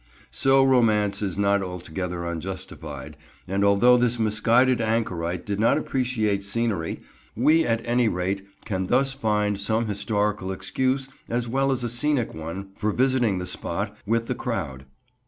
So romance is not altogether unjustified, and although this misguided anchorite did not appreciate scenery, we at any rate can thus find some historical excuse as well as a scenic one for visiting the spot, with the crowd.